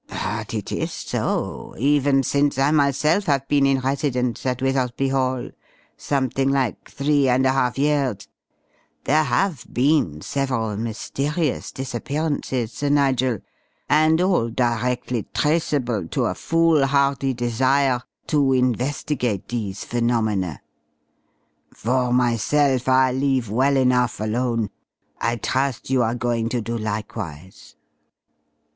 But it is so, even since I myself have been in residence at Withersby Hall something like three and a half years there have been several mysterious disappearances, Sir Nigel, and all directly traceable to a foolhardy desire to investigate these phenomena. For myself, I leave well enough alone. I trust you are going to do likewise?"